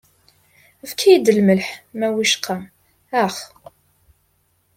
Efk-iyi-d lmelḥ, ma wicqa. Ax.